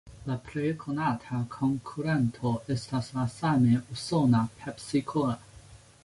La plej konata konkuranto estas la same usona "Pepsi-Cola".